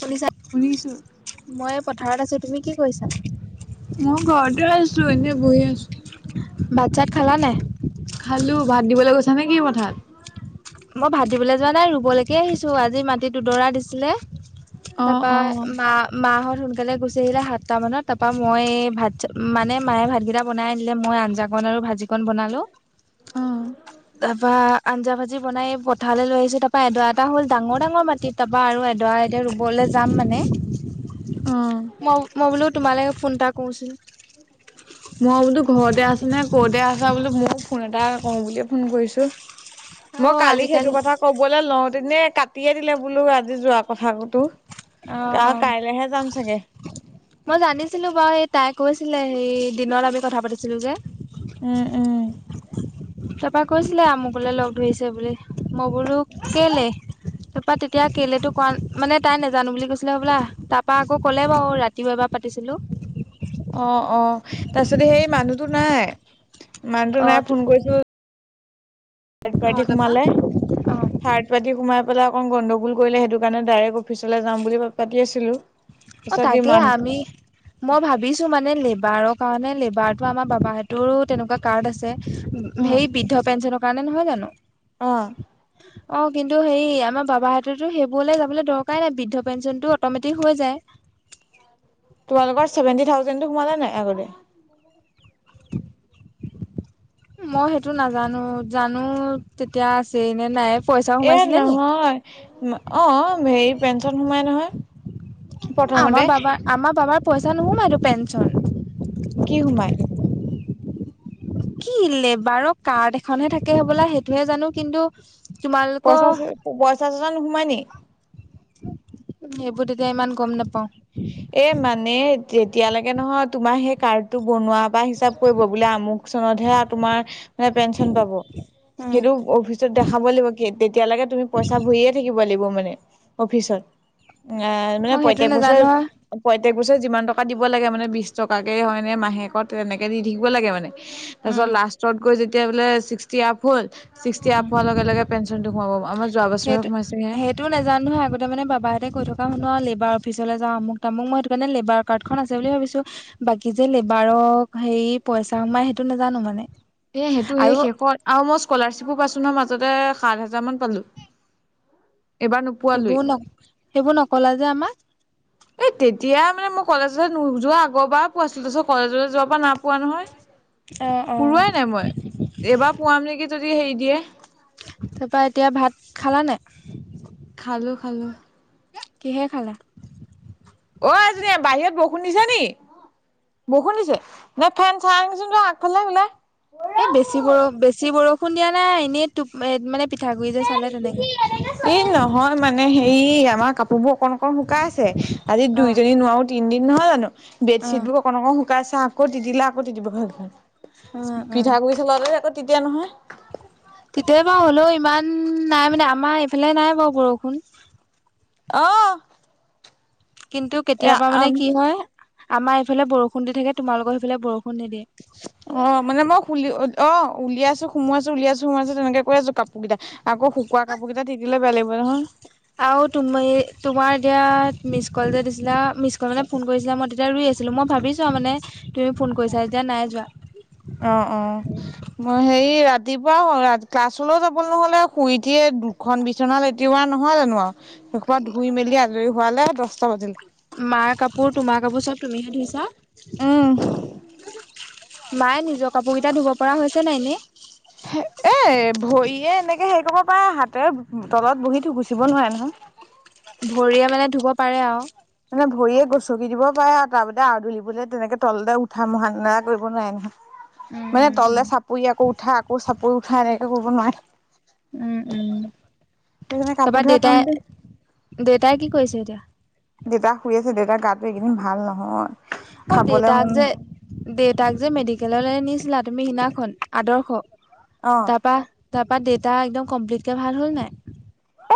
শুনিছা শুনিছো মই পথাৰত আছো তুমি কি কৰিছা মই ঘৰতে আছো এনে বহি আছো ভাত চাত খালা নে নাই খালো ভাত দিবলৈ গৈছা নে কি পথাত মই ভাত দিবলৈ যোৱা নাই ৰুবলৈকে আহিছো আজি মাটি দুদৰা দিছিলে অ তাৰপা অ মা মা হত সোনকালে গুচি আহিলে সাতটা মানত তাৰ পৰা মই ভাত মানে মায়ে ভাতকেইটা বনাই আনিলে মই আঞ্জা কৰ ভাত আৰু ভাজিকন বনালো অ তাপা আঞ্জা ভাজি ি বনাই পথালৈ লৈ আহিছো তাৰপা এডৰা এটা হ'ল ডাঙৰ ডাঙৰ মাটিত তাৰাপা আৰু এডৰা এতিয়া ৰুবলৈ যাম মানে অ ম মই বোলো তোমালৈ ফোন এটা কৰোচোন মই বোলো ঘৰতে আছা নে ক'তে আছা বোলো মোৰ ফোন এটা ক বুলিয়ে ফোন কৰিছো মই অ কালি আজিকালি সেইটো কথা কবলৈ লওঁতে এনে কাটিয়ে দিলে বোলো আজি যোৱা কথাতো অ মই জানিছিলো বাৰু এই তাই কৈছিলে সেই দিনত আমি কথা পাতিছিলো যে উম উম তাপা কৈছিলে আমুকলৈ লগ ধৰিছে বুলি মই বোৰো কেলেই তাৰপা তেতিয়া কেলেতো ক মানে তাই নাজানো বুলি কৈছিলে হবলা তাপা আকৌ ক'লে বাৰু ৰাতিয়ও এবাৰ পাতিছিলো হেল্ল' অ অ তাৰপিছতে হেই মানুহটো নাই মানুহটো অ নাই ফোন কৰিছো থাৰ্ড অ পাৰ্টি তাৰপা সোমালে অ থাৰ্ড পাৰ্টি সোমাই পেলাই অণ গণ্ডগোল কৰিলে সেইটো কাৰণে ডাইৰেক্ট অফিচলৈ যাম বুলি পাতি আছিলো অ তাৰপিছত তাকে ইমান আমি মই ভাবিছো মানে লেবাৰক কাৰণে লেবাৰতটো আমাৰ বাবাহতৰো তেনেকুৱা কাৰ্ড আছে অ সেই বৃদ্ধ পেঞ্চন কাণে নহয় জানো? অ অ' কিন্তু হেই এই আমাৰ বাবাহঁতেতো হেবোৰলে যাবলে দৰকাই নাই, বৃদ্ধ পেঞ্চনটো অট'মেটিক হৈ যায়। তোমালোকৰ চেভেন্টি থাউজেনটো সোমালে নাই আগতে। [inaudible] মই হেটো নাজানো, জানো তেতিয়া আছেই নে নাই। পইচা এ সোমাইছিলে নি নহয়, অ' হেই পেঞ্চন সোমাই নহয়। প্ৰথমতে আমাৰ বাবা, আমাৰ বাবাৰ পইচা নোহোমাইটো পেঞ্চন। কি সোমাই? কি লেবাৰ কাৰ্ড এখনহে থাকে হ'বলা হেটোহে জানো কিন্তু তোমালোকৰ পইচা ছ, পইচা ছচা নোসোমাই নি? উ হেবোৰ তেতিয়া ইমান গম নাপাওঁ। এ মানে তেতিয়ালৈকে নহয় তোমাৰ হেই কাৰ্ডটো বনোৱা পা হিচাপ কৰিব, বোলে আমুক চনতহে তোমাৰ মানে পেঞ্চন পাব। হেটো অফিচত দেখাব লাগিব কে, তেতিয়ালেকে তুমি পইচা ভইয়ে থাকিব লাগিব মানে। নে অফিচত। আ অ মানে সেইটো প্ৰত্যেক বছয়ে, নাজানো প্ৰত্যেক পইচা যিমান টকা দিব লাগে মানে বিছ টকাকে হয়নে মাহেকত তেনেকে দি থাকিব লাগে মানে। তাছত নহয় লাষ্টত গৈ যেতিয়া বোলে ছিক্সটি আপ হ'ল। ছিক্সটি আপ হোৱা লগে লগে পেঞ্চনটো সোমাব। আমা যোৱা বছৰহে সেইটো সোমাইছে। সেইটো নাজানো নহয় আগতে মানে বাবাহঁতে কৈ থকা শুনো আও লেবাৱ অফিচলৈ যাওঁ, আমুক তামুক। মই এটো কাণে লেবাৰ কাৰ্ডখন আছে বুলি ভাবিছোঁ, বাকী যে লেবাৰক হেই পইচা হোমাই হেটো নাজানো মানে। এ হেটো হেই আৰু শেষত আৰু মই স্কলাৰশ্বিপো পাইছ ছো নহয় মাজতে সাত হাজাৰ মান পালোঁ। হেবোৰ নক, হেবোৰ নকলা যে আমাক। এ তেতিয়া মানে মই কলেজলৈ নোযোৱা আগৰ বা পোৱাছিলো। তাছত কলেজলৈ যোৱা পা নাই পোৱা নহয়। পোৰোৱাই নাই মই। এইবাৰ পোৱাম নেকি যদি হেই দিয়ে। তাপা এতিয়া ভাত খালা নাই? খালোঁ খালোঁ। কিহে খালা? অ' আইজনী বাহিৰত বৰষুণ দিছে নি? বষুণ দিছে। নে ফেন চাই আহাচোন যোৱা আগফালে ওলাই। এ বেছি বৰ, বেছি বৰষুণ দিয়া নাই এনেই টোপ, মানে পিঠাগুড়ি যে চালে। তেনেকে। ই নহয় মানে হেই আমাৰ কাপোবোৰ অকন অকন শুকাইছে। আজি অ দুই যদি নোৱাও তিদিন নহয় জানো। অ বেডচিটবোৰ অকণ অকণ শুকাইছে আকৌ তিতিলে আকৌ তিতিব হয়। অ পিঠাগুই চলালে আকৌ তিতে নহয়। তেতিয়াই বাও হ'লেও ইমান নাই মানে, আমাৰ এফালে নাই বাও বৰষুণ। অ'। কিন্তু এ কেতিয়াবা মানে কি হয়, আমাৰ এফালে বৰষুণ দি থাকে তোমালোকৰ সিফালে বৰষুণ নিদিয়ে। [inaudible] অ' মানে মই খুলি, অ' উলিয়াইছো, সোমোৱাইছো, উলিয়াইছো সোমাইছো তেনেকে কৈ আছোঁ কাপোৰগিটা। আকৌ শু কুৱা কাপো গিটা তিতিলে বেয়া লাগিব নহয়। আও তুমি, তোমাৰ এতিয়া মিছ ক'ল যে দিছিলা, মিচ ক'ল মানে ফোন কইছিলা মই তেত এয়া ৰুই আছিলোঁ। মই ভাবিছোঁ আও মানে তুমি ফোন কইছা। এতিয়া নাই যোৱা। তিপুৱা ক্লাছলৈও যাব নহ'লে, শুই উঠিয়ে দুখন বিচনা লেতিওৱা নহয় জানো আও। হেসোপা ধুই মেলি আজই হোৱালে দছটা বাজিল। মাই কাপোৰ, তোমাৰ কাপোৰ চব তুমিহে ধুইছা। উ। মাই নিজৰ কাপোগিটা ধুব পাৰা হৈছে নাই এনে? ভইয়ে এনেকে হেই কইৱ পাই, হাতে তলত বহি থোকোচিব নোৱাই নহয়। ভৰিয়ে মানে ধুব পাৰে আও। মানে ভৰিয়ে গচকি দিব পাৰে [unintelligible] কৰিব নোৱাৰে নহয়। মানে উম তললে উম। চাপৰি আকৌ উঠা, আকৌ চাপৰি উঠা, এনেকে কৰিব নোৱাৰে উম উম। সেইকাৰণে তাপা কাপোৰ ধোৱা দেউতাই, কামটো দেউতাই কি কৰিছে এতিয়া? দেউতা শুই আছে, দেউতাৰ গাতো এইকেইদিন ভাল নহয়। অ খাবলে দেউতাক মন যে দেউতাক যে মেডিকেললৈ নিছিলা তুমি সিনাখনন আদৰ্শ। অ তাৰপা তাৰপা দেউতা একদম কমপ্লিটকে ভাল হ'ল নাই?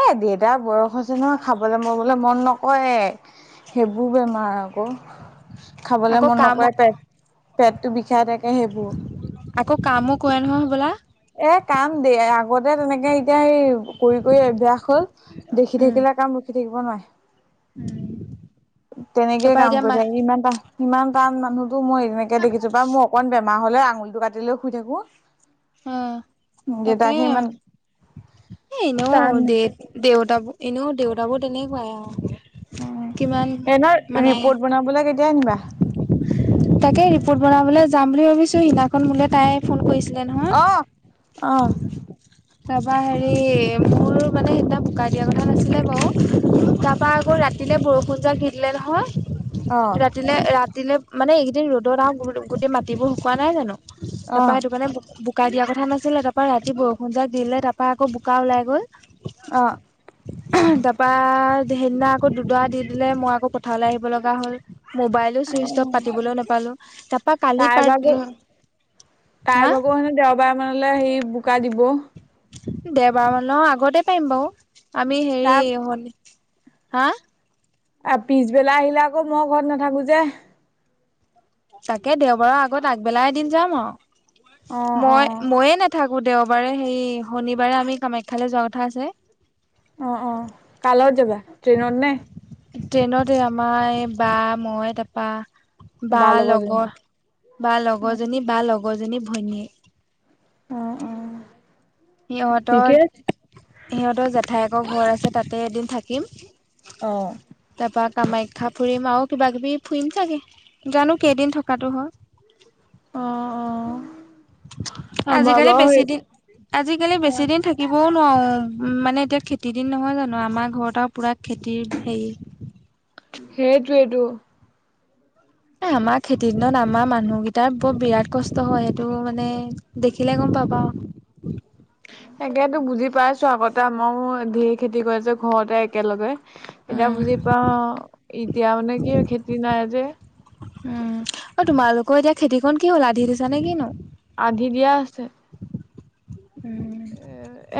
এ দেউতা বয়স হৈছে নহয় খাবলৈ মবলৈ মন নকৰে। সেইবোৰ বেমাৰ আকৌ। খাবলে আকৌ মন কাম নকৰে, পেট পেটটো বিষাই থাকে সেইবোৰ। আকৌ কামো কৰে নহয় হ'বলা। এ কাম দেই আগতে তেনেকে এতিয়া সেই কৰি কৰি অভাবাস হ'ল। দেখি থাকিলে কাম ৰখি থাকিব নোৱাৰে। তেনেকেই তাৰপা কাম এতিয়া কৰি মা থাক, ইমান টান, ইমান টান মানুহ মই এনেকে দেখিছো, পযা মোৰ অকন বেমাৰ হ'লে আঙুলটো কাটি লৈ শুই থাকো। অহ তাকে। দেউতাকহে ইমান এ এনেও টান দে-দেউতাবোৰ এনেও দেউতাবোৰ তেনেকুৱাই আৰু। [unintelligible] কিমান মানে ৰিপৰ্ট বনাবলৈ কেতিয়া আনিবা? তাকেই ৰিপৰ্ট বনাবলৈ যাম বুলি ভাবিছো, সেইদিনাখন মোলে তাই ফোন কৰিছিল। অহ অহ। তাৰপা হেৰি মোৰ মানে সেইদিনা বোকাই দিয়া কথা নাছিলে বাৰু তাৰাপা আকৌ ৰাতিলে বৰষুণ জাক দি দিলে নহয়। অ', ৰাতিলে-ৰাতিলে মানে এইকেইদিন ৰ'দত আৰু গোটেই মাটিবোৰ শুকোৱা নাই জানো! তাৰপা অ', সেইটো কাৰণে বো-বোকাই দিয়া কথা নাছিলে, তাৰাপা ৰাতি বৰ জাক দিলে তাৰপা আকৌ বোকা ওলাই গ'ল। অ'। তাৰপা সেইদিনা আকৌ দুডৰা দি দিলে, মই আকৌ পথাৰলৈ আহিব লগা হ'ল। মোবাইলো চুইচ অফ পাতিবলৈও নাপালো। তাৰপা কালি তাইৰ ভাগো, পাত হা তাইৰ ভাগো হেনো দেওবাৰ মানলৈ সেই বোকা দিব। দেওবাৰ মান আগতে পাৰিম বাৰু, আমি হেৰি তাক শনি হা? আ পিছবেলা আহিলে আকৌ মই ঘৰত নাথাকো যে। তাকে দেওবাৰৰ আগত আগবেলাই এদিন যাম আৰু, অ', মই অ', মইয়ে নো থাকো দেওবাৰে সেই শনিবাৰে আমি কামাখ্যালৈ যোৱা কথা আছে। অ অ কাৰ লগত যাবা? ট্ৰেইনত নে ট্ৰেইনতে যাম মা বা মই তাৰাপা বা লগৰ, বা অ', লগৰজনী বা লগৰজনী ভনীয়ে। অ অ। সিহঁতৰ ঠিকে আছে। সিহঁতৰ জেঠাইকৰ ঘৰ আছে তাতে এদিন থাকিম। অ'। তাৰপা কামাখ্যা ফুৰিম আৰু কিবা কিবি ফুৰিম চাগে, জানো কেইদিন থকাটো হয়। অ', অ', আমাৰ আজিকালি বাৰু বেছি সেই দিন আজিকালি বেছি দিন থাকিব নোৱাৰো, মানে এতিয়া খেতি দিন নহয় জানো, আমাৰ ঘৰত আৰু পুৰা খেতিৰ হেৰি [inaudible] সেইটোৱেইটো। এ আমাৰ খেতি দিনত আমাৰ মানুহ কেইটাৰ বৰ বিৰাট কষ্ট হয় সেইটো মানে দেখিলে গম পাবা। তাকেতো বুজি পাইছো, আগতে আমাও ধেৰ খেতি কৰে যে ঘৰতে একেলগে। এতিয়া উম বুজি পাও, এতিয়া মানে কি খেতি নাই যে। উম অ তোমালোকৰ এতিয়া খেতিকণ কি হলা আঁধি দিছা নে কিনো? আধি দিয়া আছে উম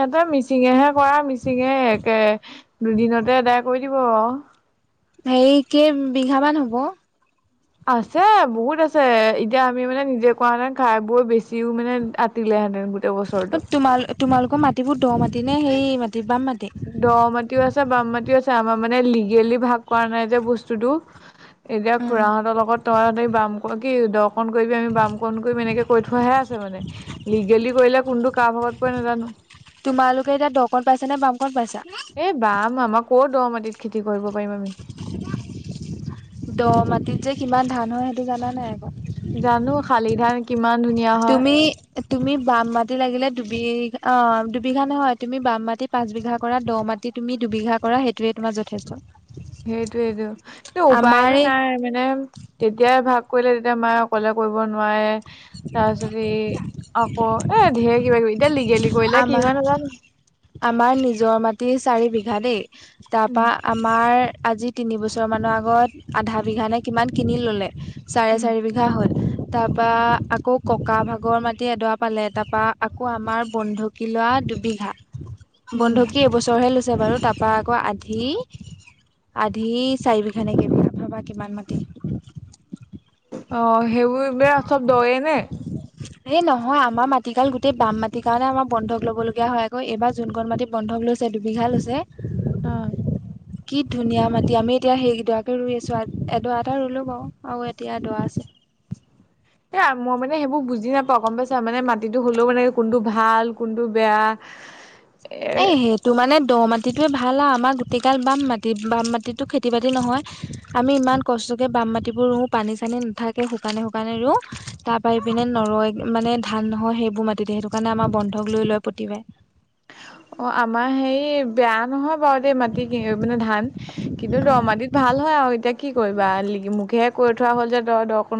এটা মিছ মিচিঙেহে কৰা মিচিঙে একে দুদিনতে আদায় কৰি দিব সেই কে বিঘা মান হব? আছে বহুত আছে এতিয়া আমি মানে নিজে কোৱা হেতেন খাই বৈ বেছিও মানে আতিলেহেঁতেন গোটেই বছৰটো অ তোমাল তোমালোকৰ মাটিবোৰ দ মাটি নে সেই মি দ মাটিও আছে বাম মাটিও আছে আমাৰ মানে লিগেলি ভাগ কৰা নাই যে বস্তুতটো এতিয়া উম খুৰাহঁতৰ লগত তইহঁ বাম ক কি ক কৰিবি আম বাম কণ কৰিম এনেকে কৈ থোৱাহে আছে মানে লিগেলি কৰিলে কোনটো কা ভাগত পৰে নাজানো তোমালোকে এতিয়া দ কণ পাইছা নে বাম কণ পাইছা? ক দ মাটিত খেতি কৰিব? পাৰিম আমি দ মাটিত যে কিমান ধান হয় সেইটো জানা নাই আকৌ? জানো শালি ধান কিমান ধুনীয়া হয় তুমি তুমি বাম মাটি লাগিলে দুবিঘা অ দুবিঘা নহয় তুমি বাম মাটি পাঁচ বিঘা কৰা দ ম মাতি তুমি দুবিঘা কৰা সেইটোয়ে তোমাৰ যথেষ্ট সেইটোয়েইটো এই আমাৰ উপায়টো এই নাই মানে তেতিয়াই ভাব কৰিলে তেতিয়া মায়ে অকলে কৰিব নোৱাৰে তাৰ পিছত ই আকৌ এ ঢেৰ কিবা কিবি এতিয়া লিগেলি কৰিলে কি আমাৰ হয় নাজানো আমাৰ নিজৰ মাটি চাৰি বিঘা দেই উম তাৰপা আমাৰ আজি তিনিবছৰমানৰ আগত আধা বিঘানে কিমান কিনি ল'লে। চাৰে উম চাৰি বিঘা হ'ল। তাৰপৰা আকৌ ককা ভাগৰ মাটি এডৰা পালে। তাৰপৰা আকৌ আমাৰ বন্ধুকী লোৱা দুবিঘা উম বন্ধুকী এইবছৰহে লৈছে বাৰু। তাৰপৰা আকৌ আধি আধি চাৰি বিঘা নেকি ভাবা কিমান মাটি। অ সেইবোৰ বে চব দয়ে নে? এই নহয় আমাৰ মাটিিকাল গোটেই বাম মাটিৰ কাৰণে আমাৰ বন্ধক ল'ব লগীয়া হয় আকৌ। এইবাৰ যোনকণ মাটি বন্ধক লৈছে। দুবিঘা লৈছে। অ। কি ধুনীয়া মাটি আমি এতিয়া সেই কেইডৰাকে ৰুই আছো। এডৰা এটা ৰুলো বাৰু আৰু এতিয়া এডৰা আছে। এ মই মানে সেইবোৰ বুজি নাপাওঁ গম পাইছা। মানে মাটিটো হ'লেও মানে কোনটো ভাল কোনটো বেয়া। এ এই সেইটো মানে দ মাটিটোৱে ভাল আৰু আমাৰ গোটেইকাল বাম মাটিত। বাম মাটিতটো খেতি বাতি নহয় আমি ইমান কষ্ট গোটেই বাম মাটিবোৰ ৰো, পানী চানি নাথাকে। খুকানে, খুকনে ৰোঁ, তাৰ পৰা এইপিনে নৰই মানে ভাল নহয় সেইবোৰ মাটিত, সেইটো কাৰণে আমাৰ বন্ধক লৈ লয় প্ৰতিবাৰে। অ আমাৰ হেৰি বেয়া নহয়। বাৰ দেই মাটি মানে ধান কিন্তু দ উম। মাটিত ভাল হয় আৰু এতিয়া কি কৰিবা মোকহে কৰি থোৱা হ'ল যে তই দক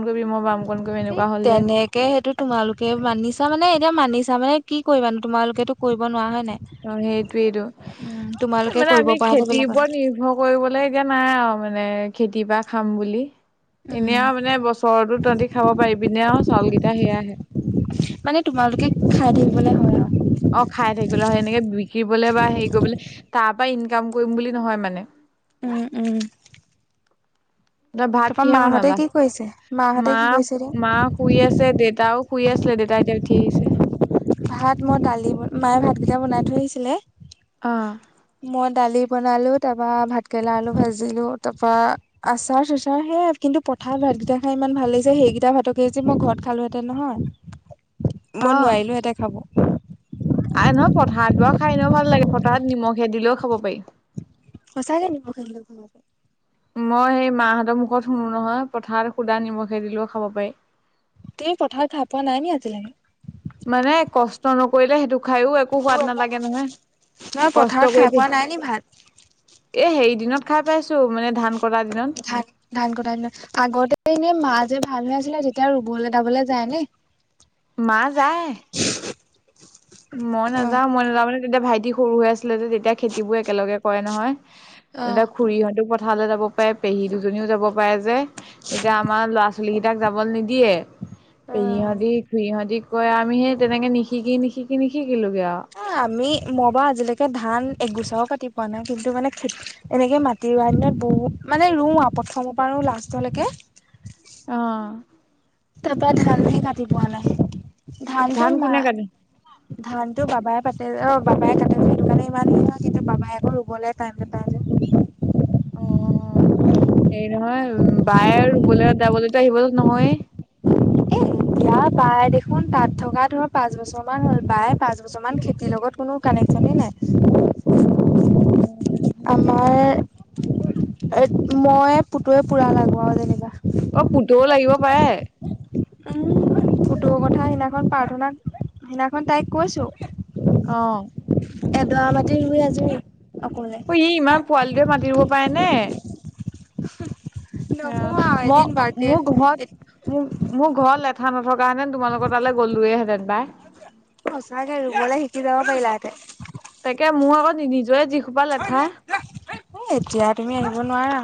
এই তেনেকে সেইটো তোমালোকে মানিছ মানে এতিয়া মানিছা মানে কি কৰিবানো তোমালোকেতো কৰিব নোৱাৰা হয় নাই। অ, উম, সেইটোৱেইটো তোমালোকে মানে কৰিব আমি পৰা হলে খেতিৰ বেলেগ কথা ওপৰত নিৰ্ভৰ কৰিবলৈ এতিয়া নাই আৰু মানে খেতি বা খাম বুলি। এনে আৰু মানে বছৰতো তহতি খাব পাৰিবিনে আৰু চাউল কেইটা সেয়াহে। মানে তোমালোকে খাই থাকিবলৈ হয় আৰু। অ খাই থাকিবলে সনেকে বিক্ৰীবলে বা হেৰি কৰিবলৈ তাৰ ইনকাম কৰিম বুলি নহয় মানে। উম, উম। ত ভাত তাৰপৰা কিহে মাহঁতে বনালা? কি কৰিছে মাহঁতে মা, কি কৰিছে এতিয়া মা শুই আছে, দেউতাও শুই আছিলে, দেতা এতিয়া উঠি আহিছে। ভাত মই দালি বনালো, মায়ে ভাতকেইটা বনাই থৈ আহিছিলে। অ'। মই দালি বনালো, তাৰপা ভাত কেৰেলা আলু ভাজিলো, তাৰ পৰা আচাৰ চাচাৰ সেয়াই কি কিন্তু পথাৰত ভাতকেইটা খাই ইমান ভাল লাগিছে, সেইকেইটা ভাতকে যে মই ঘৰত খালোহেতেন নহয় মই নোৱাৰিলো হেতে খাব। আৰু নহয় পথাৰত বাৰু খাই এনেওঁ ভাল লাগে পথাৰত নিমখে দিলেও খাব পাৰি। সঁচাকে নিমখে হলেওঁ খাব পাৰি। মই সেই মাহঁতৰ মুখত শুনো নহয়, পথাৰত সুদা নিমখে দিলেও খাব পাৰি। তুমি পথাৰত খাই পোৱা নাই নেকি আজিলৈকে? মানে কষ্ট নকৰিলে সেইটো খাইও একো সোৱাদ নালাগে নহয়, নহয় পথাৰত কষ্ট খাই কৰি দি পোৱা নাই নি ভাত? এ হেৰি দিনত খাই পাইছো, মানে ধান কটা দিনত ধান, ধান কটাৰ দিনত, আগতে এনে মাছ যে ভাল হৈ আছিলা, যেতিয়া ৰুবলৈ তাবলৈ যায় নে। মা যায়। মই অ', নাযাওঁ, মই নাযাওঁ মানে তেতিয়া ভাইটি সৰু হৈ আছিলে যে, তেতিয়া খেতি বোৰ একেলগে কৰে নহয়। অ', তেতিয়া খুৰী হঁতেও পথাৰলৈ যাব পাৰে, পেহী দুজনীও যাব পাৰে যে। এতিয়া আমাৰ ল'ৰা ছোৱালী কেইটাক যাব নিদিয়ে। দিয়ে অ', পেহীহঁতি, খুৰীহঁতি কয় আমি সেই তেনেকে নিশিকি, নিশিকি, নিশিকি অ' আমি, মইবা আজিলৈকে ধান একগোছাও কাটি পোৱা নাই কিন্তু মানে খ এনেকে মাটি ৰুৱা দিনত বহুত মানে ৰুৱাও প্ৰথমৰ পৰা লাষ্টলৈকে। অ তাৰপা ধানহে কাটি পোৱা নাই। ধানটো ধান মা, কোনে কাটে ধানটো বাবাই পাতি অ' বাবাই কাটে সেইটো কাৰণে ইমানখিনি নহয় কিন্তু বাবাই আকৌ ৰুবলৈ টাইম নাপায় যে। [inaudible] হেই নহয় উম বায়ে ৰুবলৈ যাবলৈতো আহিব নহয়েই। [inaudible] প্ৰাই দেখোন তাত থকা ধৰ পাঁচ বছৰ মান হ'ল বায় পাঁচ বছৰ মান খেতিৰ লগত কোনো কানেকচনে নাই। আমাৰ এ মই পুতুৱে পুৰা লাগো আৰু যেনিবা। অ' পুতও লাগিব পাৰে। পুটোৰ কথা সিদিনাখন প্ৰাৰ্থনাক সিদিনাখন তাইক কৈছো। অ'। এদৰা মাটি ৰুই আজ অ' ই ইমান পোৱালিটোৱে মাতি ৰুব পাৰে নে? [unintelligible] নকওঁ অ' আৰু ম এদিন বাৰ্থডে মোৰ ঘৰত ম মোৰ ঘ কঠা নথকা হেতেন তোমাৰ লগৰ তালৈ গলোৱেহেঁতেন পাই। সঁচাকে ৰুবলৈ শিকি যাব পাৰিলাহেঁতে। তাকে মোৰ আকৌ নি নিজৱে যি এ এতিয়া তুমি আহিব নোৱাৰা।